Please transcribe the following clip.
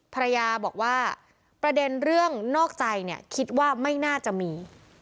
ภรรยาบอกว่าประเด็นเรื่องนอกใจเนี่ยคิดว่าไม่น่าจะมี